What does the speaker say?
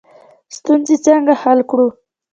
ستونزې څنګه حل کړو؟